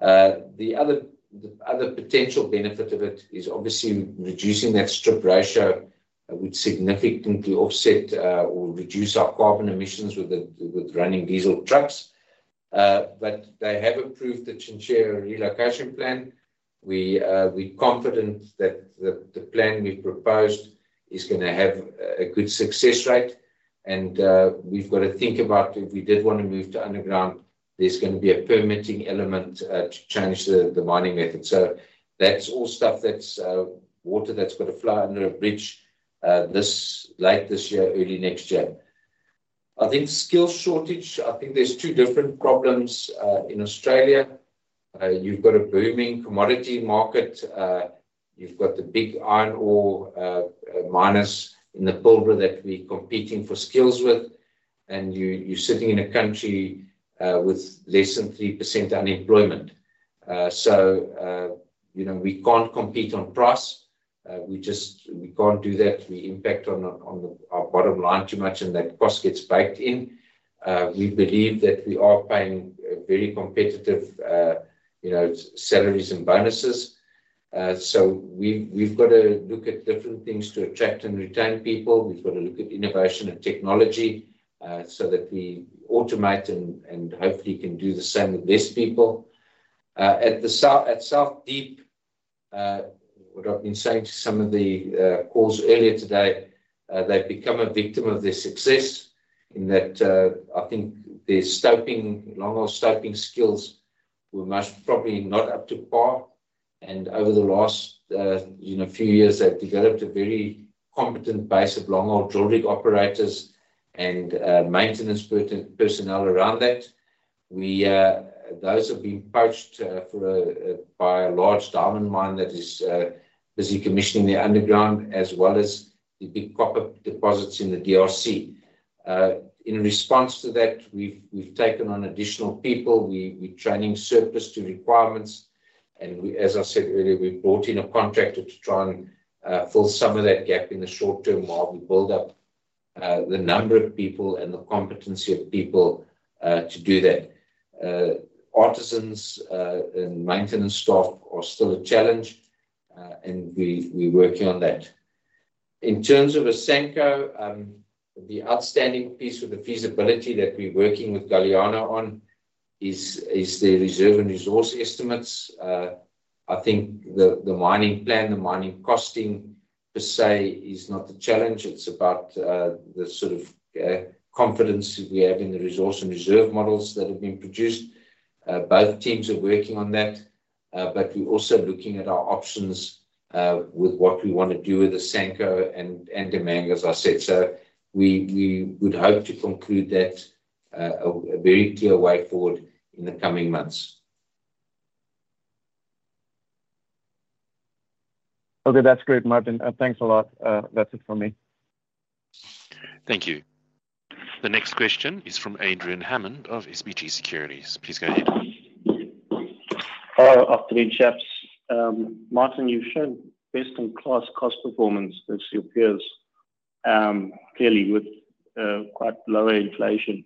The other, the other potential benefit of it is obviously reducing that strip ratio would significantly offset or reduce our carbon emissions with the, with running diesel trucks. They have approved the chinchilla relocation plan. We, we're confident that the, the plan we've proposed is gonna have a, a good success rate. We've got to think about if we did wanna move to underground, there's gonna be a permitting element to change the, the mining method. That's all stuff that's water that's got to flow under a bridge late this year, early next year. I think skill shortage, I think there's two different problems in Australia. You've got a booming commodity market, you've got the big iron ore, miners in the Pilbara that we're competing for skills with, and you, you're sitting in a country, with less than 3% unemployment. You know, we can't compete on price. We just, we can't do that. We impact on our, on our bottom line too much, and that cost gets baked in. We believe that we are paying a very competitive, you know, salaries and bonuses. We've, we've got to look at different things to attract and retain people. We've got to look at innovation and technology, so that we automate and, and hopefully can do the same with less people. At South Deep, what I've been saying to some of the calls earlier today, they've become a victim of their success in that, I think their stoping, longhole stoping skills were most probably not up to par. Over the last, you know, few years, they've developed a very competent base of longhole drill rig operators and maintenance per-personnel around that. We, those have been poached for by a large diamond mine that is busy commissioning the underground, as well as the big copper deposits in the DRC. In response to that, we've, we've taken on additional people. We, we're training surplus to requirements, and we, as I said earlier, we've brought in a contractor to try and fill some of that gap in the short term while we build up the number of people and the competency of people to do that. Artisans and maintenance staff are still a challenge, and we, we're working on that. In terms of Asanko, the outstanding piece of the feasibility that we're working with Galiano on is, is the reserve and resource estimates. I think the, the mining plan, the mining costing per se, is not a challenge. It's about the sort of confidence we have in the resource and reserve models that have been produced. Both teams are working on that.... We're also looking at our options, with what we wanna do with Asanko and, and Damang, as I said. We, we would hope to conclude that very clear way forward in the coming months. Okay, that's great, Martin. Thanks a lot. That's it from me. Thank you. The next question is from Adrian Hammond of SBG Securities. Please go ahead. Hello. Afternoon, chaps. Martin, you've shown best-in-class cost performance versus your peers, clearly with quite lower inflation.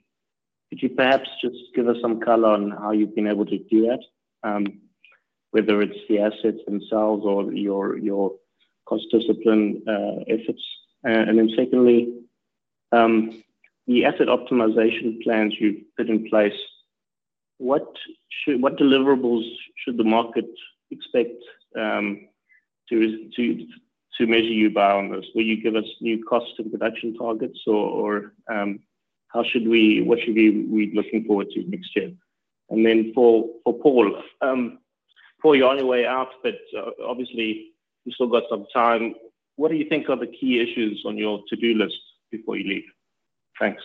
Could you perhaps just give us some color on how you've been able to do that? Whether it's the assets themselves or your, your cost discipline efforts. Then secondly, the asset optimization plans you've put in place, what deliverables should the market expect to measure you by on this? Will you give us new cost and production targets or what should we be looking forward to next year? Then for Paul, Paul, you're on your way out, but obviously, you've still got some time. What do you think are the key issues on your to-do list before you leave? Thanks.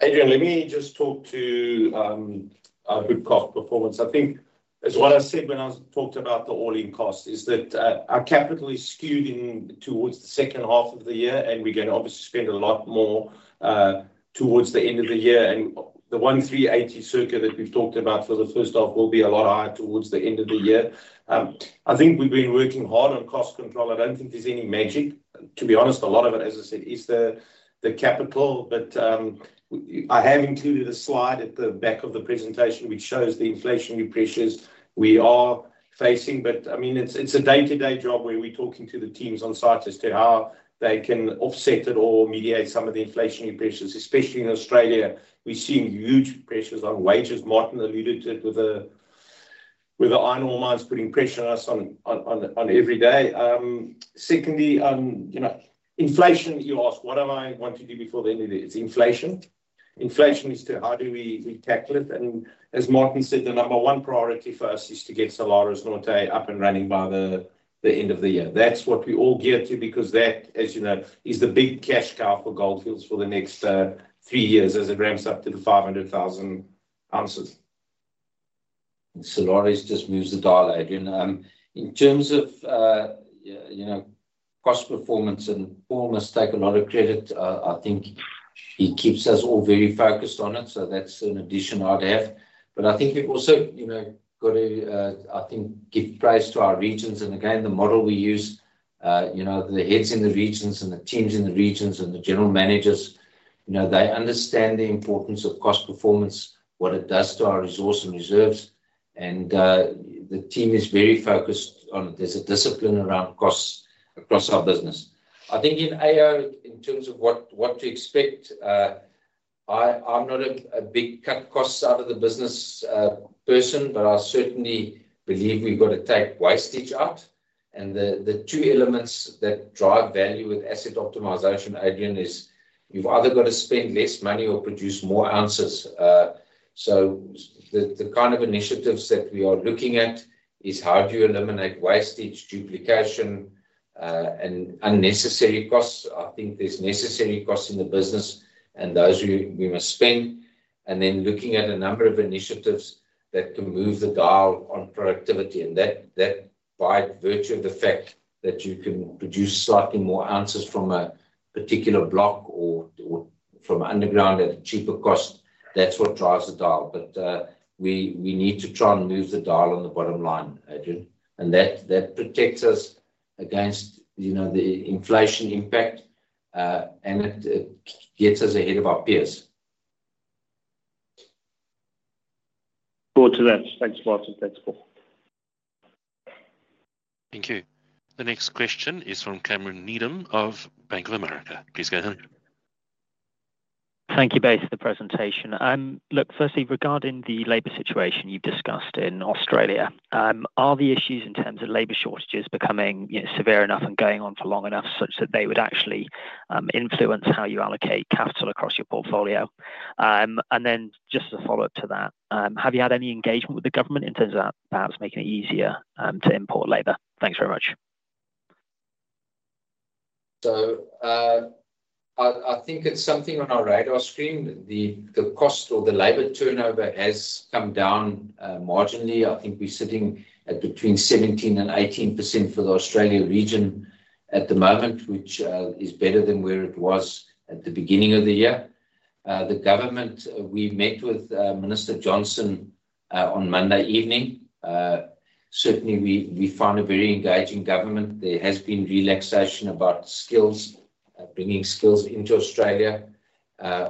Adrian, let me just talk to our good cost performance. I think as what I said when I talked about the all-in cost, is that our capital is skewed in towards the second half of the year, and we're gonna obviously spend a lot more towards the end of the year. The 1380 circuit that we've talked about for the first half will be a lot higher towards the end of the year. I think we've been working hard on cost control. I don't think there's any magic, to be honest. A lot of it, as I said, is the, the capital. I have included a slide at the back of the presentation, which shows the inflationary pressures we are facing. I mean, it's, it's a day-to-day job where we're talking to the teams on site as to how they can offset it or mediate some of the inflationary pressures. Especially in Australia, we're seeing huge pressures on wages. Martin alluded to it with the, with the iron ore mines putting pressure on us on every day. Secondly, you know, inflation, you asked, what am I want to do before the end of the year? It's inflation. Inflation is to, how do we tackle it? As Martin said, the number one priority for us is to get Salares Norte up and running by the end of the year. That's what we all gear to, because that, as you know, is the big cash cow for Gold Fields for the next, 3 years as it ramps up to the 500,000 oz. Salares Norte just moves the dial, Adrian. In terms of, you know, cost performance, Paul must take a lot of credit. I think he keeps us all very focused on it, so that's an addition I'd have. I think we've also, you know, got to, I think, give praise to our regions. Again, the model we use, you know, the heads in the regions and the teams in the regions and the general managers, you know, they understand the importance of cost performance, what it does to our resource and reserves, and the team is very focused on it. There's a discipline around costs across our business. I think in AO, in terms of what, what to expect, I, I'm not a, a big cut costs out of the business, person, but I certainly believe we've got to take wastage out. The, the two elements that drive value with asset optimization, Adrian, is you've either got to spend less money or produce more ounces. The, the kind of initiatives that we are looking at is how do you eliminate wastage, duplication, and unnecessary costs? I think there's necessary costs in the business, and those we, we must spend. Then looking at a number of initiatives that can move the dial on productivity, and that, that, by virtue of the fact that you can produce slightly more ounces from a particular block or, or from underground at a cheaper cost, that's what drives the dial. We, we need to try and move the dial on the bottom line, Adrian, and that, that protects us against, you know, the inflation impact, and it, it gets us ahead of our peers. Good to that. Thanks, Martin. Thanks, Paul. Thank you. The next question is from Cameron Needham of Bank of America. Please go ahead. Thank you both for the presentation. Look, firstly, regarding the labor situation you've discussed in Australia, are the issues in terms of labor shortages becoming, you know, severe enough and going on for long enough such that they would actually influence how you allocate capital across your portfolio? Then just as a follow-up to that, have you had any engagement with the government in terms of perhaps making it easier to import labor? Thanks very much. I, I think it's something on our radar screen. The, the cost or the labor turnover has come down marginally. I think we're sitting at between 17% and 18% for the Australia region at the moment, which is better than where it was at the beginning of the year. The government, we met with Minister Johnston on Monday evening. Certainly, we, we found a very engaging government. There has been relaxation about skills, bringing skills into Australia.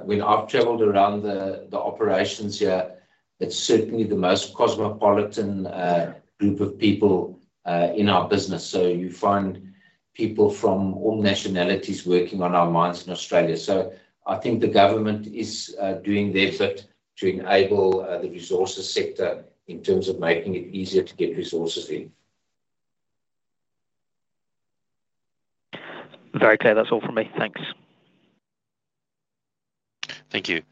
When I've traveled around the, the operations here, it's certainly the most cosmopolitan group of people in our business. You find people from all nationalities working on our mines in Australia. I think the government is doing their bit to enable the resources sector in terms of making it easier to get resources in. Very clear. That's all from me. Thanks. Thank you.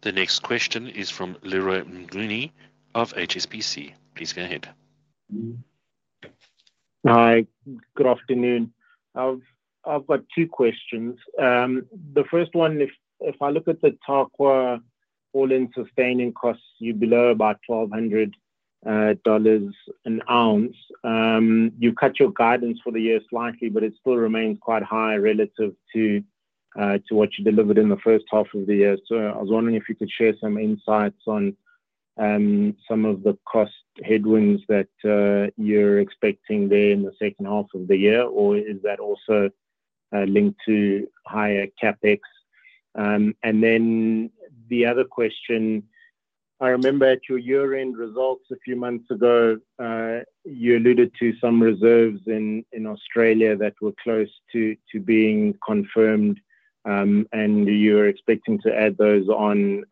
The next question is from Leroy Mnguni of HSBC. Please go ahead. Hi, good afternoon. I've, I've got two questions. The first one, if, if I look at the Tarkwa all-in sustaining costs, you're below about $1,200 an ounce. You've cut your guidance for the year slightly, it still remains quite high relative to what you delivered in the first half of the year. I was wondering if you could share some insights on some of the cost headwinds that you're expecting there in the second half of the year. Is that also linked to higher CapEx? The other question: I remember at your year-end results a few months ago, you alluded to some reserves in Australia that were close to being confirmed. You were expecting to add those on,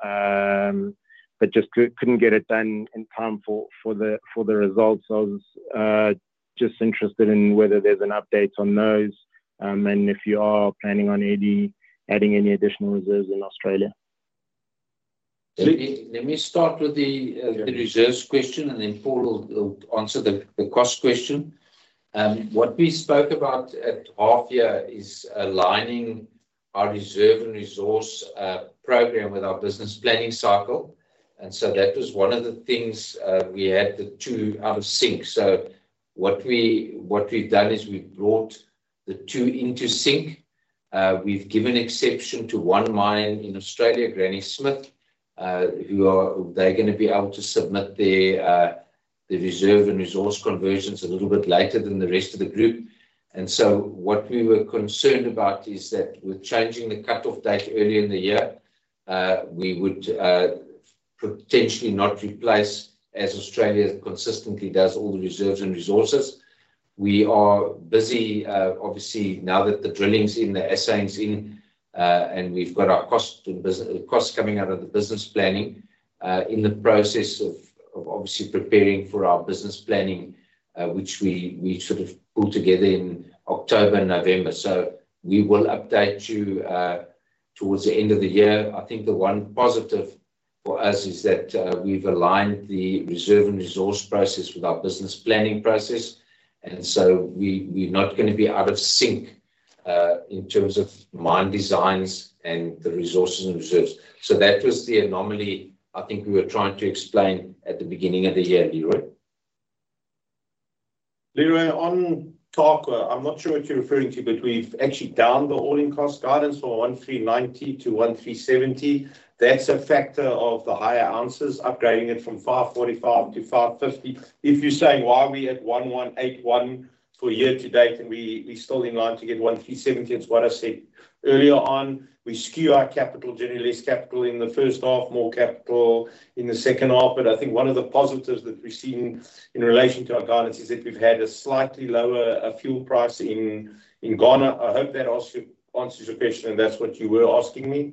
but just couldn't get it done in time for, for the, for the results. I was just interested in whether there's an update on those, and if you are planning on adding any additional reserves in Australia. Let me, let me start with the reserves question, then Paul will, will answer the cost question. What we spoke about at half year is aligning our reserve and resource program with our business planning cycle, that was one of the things, we had the two out of sync. What we, what we've done is we've brought the two into sync. We've given exception to one mine in Australia, Granny Smith, they're gonna be able to submit their reserve and resource conversions a little bit later than the rest of the group. What we were concerned about is that with changing the cut-off date early in the year, we would potentially not replace, as Australia consistently does, all the reserves and resources. We are busy, obviously, now that the drilling's in, the assaying's in, and we've got our costs coming out of the business planning, in the process of, of obviously preparing for our business planning, which we, we sort of pull together in October and November. We will update you towards the end of the year. I think the one positive for us is that we've aligned the reserve and resource process with our business planning process, we, we're not gonna be out of sync in terms of mine designs and the resources and reserves. That was the anomaly I think we were trying to explain at the beginning of the year, Leroy. Leroy, on Tarkwa, I'm not sure what you're referring to, but we've actually downed the all-in cost guidance from $1,390 to $1,370. That's a factor of the higher ounces, upgrading it from 545 to 550. If you're saying, why are we at $1,181 for year-to-date, and we're still in line to get $1,370, it's what I said earlier on. We skew our capital, generally less capital in the first half, more capital in the second half. I think one of the positives that we've seen in relation to our guidance is that we've had a slightly lower fuel price in Ghana. I hope that also answers your question, and that's what you were asking me.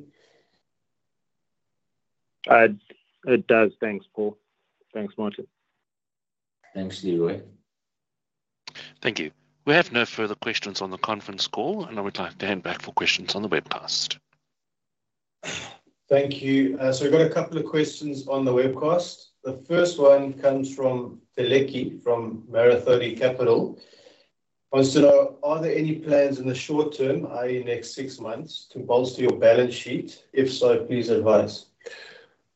it does. Thanks, Paul. Thanks, Martin. Thanks, Leroy. Thank you. We have no further questions on the conference call, and I would like to hand back for questions on the webcast. Thank you. We've got a couple of questions on the webcast. The first one comes from Teleki, from Merithody Capital. Asked, you know, are there any plans in the short term, i.e., next 6 months, to bolster your balance sheet? If so, please advise.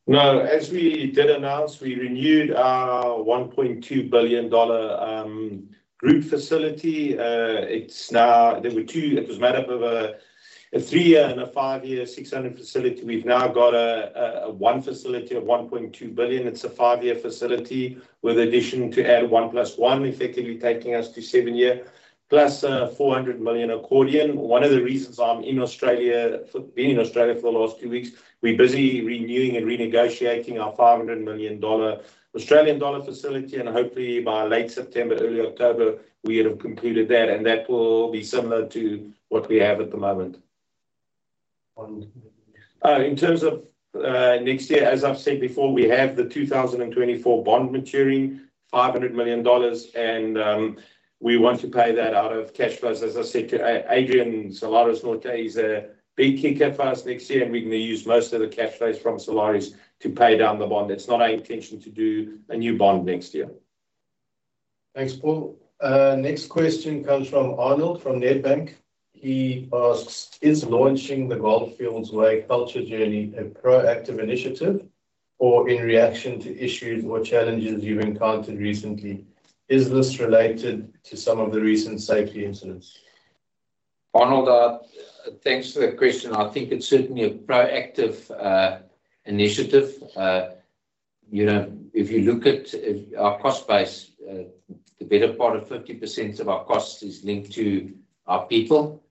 No. As we did announce, we renewed our $1.2 billion group facility. It's now, there were two. It was made up of a 3-year and a 5-year, $600 facility. We've now got a one facility of $1.2 billion. It's a 5-year facility with addition to add 1 + 1, effectively taking us to 7 year, plus a $400 million accordion. One of the reasons I'm in Australia, been in Australia for the last 2 weeks, we're busy renewing and renegotiating our 500 million Australian dollar facility, and hopefully by late September, early October, we would have completed that, and that will be similar to what we have at the moment. On, in terms of, next year, as I've said before, we have the 2024 bond maturing, $500 million, and we want to pay that out of cash flows. As I said to Adrian, Salares Norte is a big kicker for us next year, and we're going to use most of the cash flows from Salares Norte to pay down the bond. It's not our intention to do a new bond next year. Thanks, Paul. Next question comes from Arnold, from Nedbank. He asks, "Is launching the Gold Fields Way culture journey a proactive initiative or in reaction to issues or challenges you've encountered recently? Is this related to some of the recent safety incidents? Arnold, thanks for the question. I think it's certainly a proactive initiative. You know, if you look at, at our cost base, the better part of 50% of our costs is linked to our people,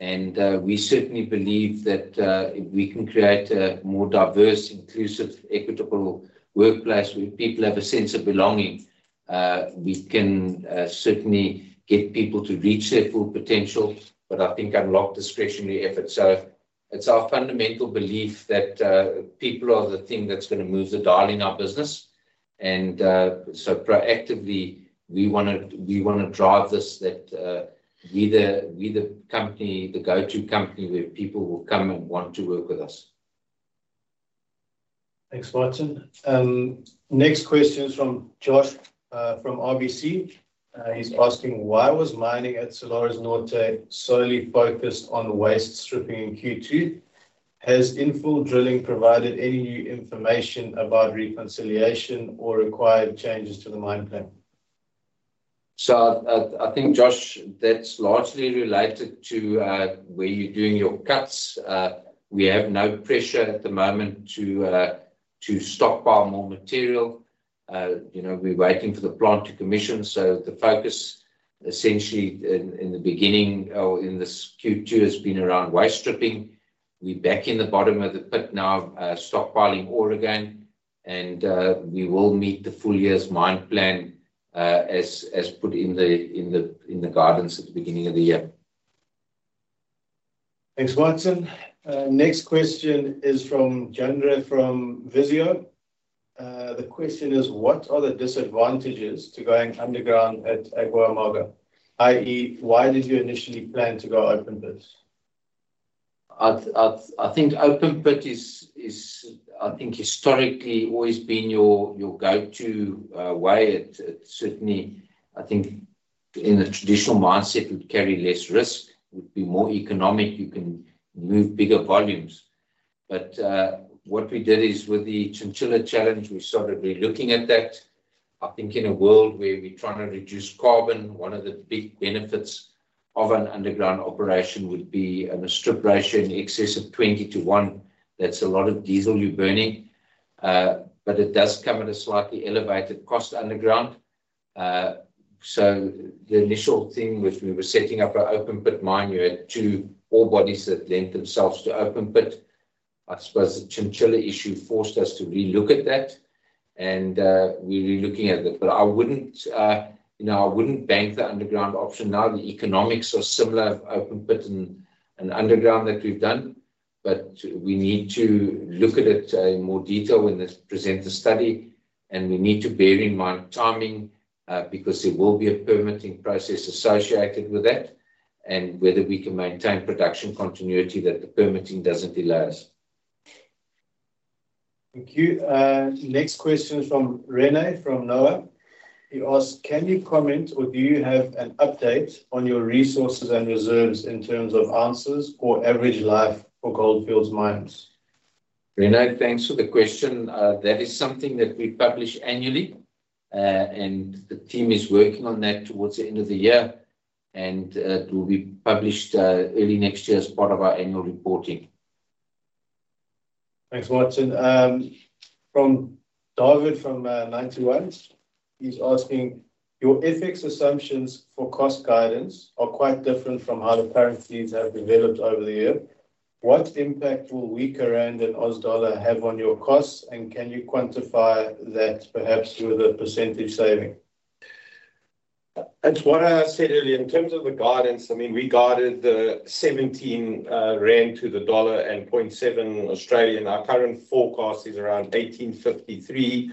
and we certainly believe that, if we can create a more diverse, inclusive, equitable workplace where people have a sense of belonging, we can certainly get people to reach their full potential, but I think unlock discretionary effort. It's our fundamental belief that people are the thing that's gonna move the dial in our business. So proactively, we wanna, we wanna drive this, that we're the, we're the company, the go-to company, where people will come and want to work with us. Thanks, Martin. Next question is from Josh, from RBC. He's asking: Why was mining at Salares Norte solely focused on waste stripping in Q2? Has infill drilling provided any new information about reconciliation or required changes to the mine plan? I think, Josh, that's largely related to where you're doing your cuts. We have no pressure at the moment to stockpile more material. You know, we're waiting for the plant to commission, so the focus essentially in the beginning or in this Q2 has been around waste stripping. We're back in the bottom of the pit now, stockpiling ore again. We will meet the full year's mine plan as put in the guidance at the beginning of the year. Thanks, Martin. Next question is from Kendra, from Visio. The question is: What are the disadvantages to going underground at Agua Amarga? I.e., why did you initially plan to go open pit? I think open pit is, I think historically always been your, your go-to way. It certainly, I think in a traditional mindset, would carry less risk, would be more economic. You can move bigger volumes. What we did is with the chinchilla challenge, we started relooking at that. I think in a world where we're trying to reduce carbon, one of the big benefits of an underground operation would be on a strip ratio in excess of 20 to 1. That's a lot of diesel you're burning, it does come at a slightly elevated cost underground. The initial thing which we were setting up an open-pit mine, you had two ore bodies that lent themselves to open pit. I suppose the chinchilla issue forced us to relook at that, we're relooking at it. I wouldn't, you know, I wouldn't bank the underground option now. The economics are similar of open pit and, and underground that we've done, but we need to look at it in more detail when they present the study. We need to bear in mind timing because there will be a permitting process associated with that, and whether we can maintain production continuity that the permitting doesn't delay us. Thank you. Next question is from René, from Noah. He asked: Can you comment, or do you have an update on your resources and reserves in terms of ounces or average life for Gold Fields mines? Rene, thanks for the question. That is something that we publish annually, and the team is working on that towards the end of the year. It will be published early next year as part of our annual reporting. Thanks, Martin. From David, from Ninety One. He's asking: Your FX assumptions for cost guidance are quite different from how the currencies have developed over the year. What impact will weaker rand and Aussie dollar have on your costs, and can you quantify that perhaps with a percentage saving? It's what I said earlier in terms of the guidance, I mean, we guided the 17 rand to the dollar and 0.7. Our current forecast is around 18.53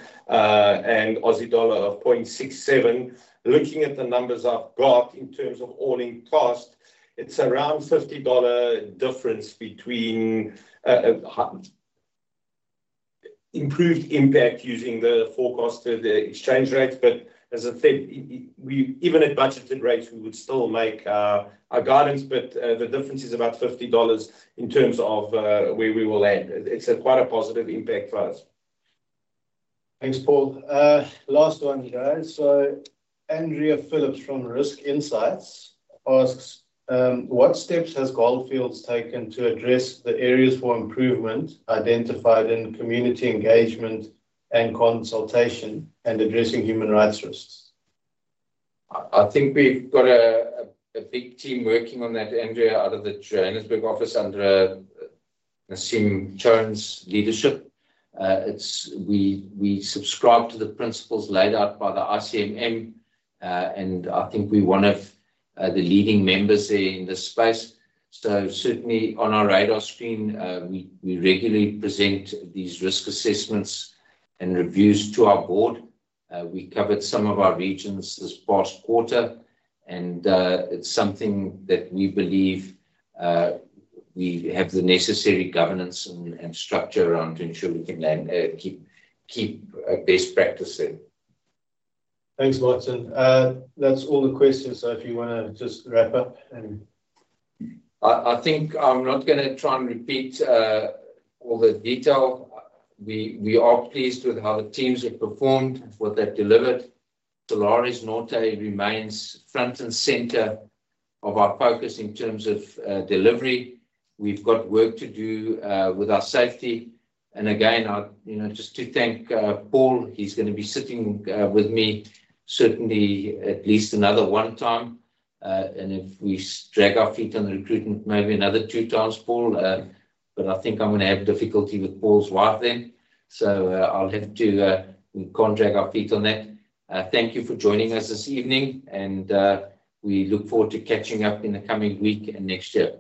and 0.67 Aussie dollar. Looking at the numbers I've got in terms of all-in cost, it's around $50 difference between improved impact using the forecast of the exchange rates. As I said, even at budgeted rates, we would still make our guidance, but the difference is about $50 in terms of where we will end. It's a quite a positive impact for us. Thanks, Paul. Last one, guys. Andrea Phillips from Risk Insights asks: What steps has Gold Fields taken to address the areas for improvement identified in community engagement and consultation and addressing human rights risks? I, I think we've got a, a, a big team working on that, Andrea, out of the Johannesburg office, under Naseem Chohan's leadership. We, we subscribe to the principles laid out by the ICMM, and I think we're one of the leading members there in this space. Certainly on our radar screen, we, we regularly present these risk assessments and reviews to our board. We covered some of our regions this past quarter, and it's something that we believe we have the necessary governance and structure around to ensure we can keep, keep, best practice there. Thanks, Martin. That's all the questions, if you wanna just wrap up. I, I think I'm not gonna try and repeat all the detail. We, we are pleased with how the teams have performed and what they've delivered. Salares Norte remains front and center of our focus in terms of delivery. We've got work to do with our safety. Again, I you know, just to thank Paul, he's gonna be sitting with me certainly at least another one time. If we drag our feet on the recruitment, maybe another two times, Paul. I think I'm gonna have difficulty with Paul's wife then, so I'll have to, we can't drag our feet on that. Thank you for joining us this evening, and we look forward to catching up in the coming week and next year.